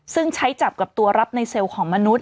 ซึ่งใช้จับกับตัวรับในเซลล์ของมนุษย